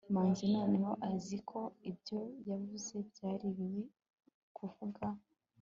manzi noneho azi ko ibyo yavuze byari bibi kuvuga